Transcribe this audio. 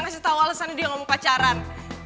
nggak setahu alasannya dia gak mau pacaran